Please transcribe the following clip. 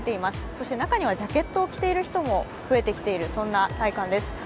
そして中にはジャケットを着ている人も増えている、そんな体感です。